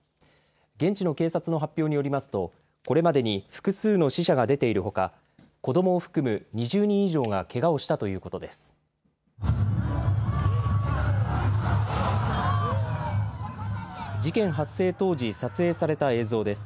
現地の警察の発表によりますとこれまでに複数の死者が出ているほか子どもを含む２０人以上がけがをしたということです。